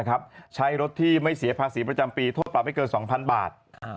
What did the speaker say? ใช้รถที่ไม่เสียภาษีประจำปีโทษปรับไม่เกิน๒๐๐๐บาท